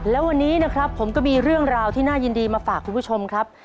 แล้ววันนี้นะครับผมก็มีเรื่องราวที่น่ายินดีมาฝากคุณผู้ชมครับ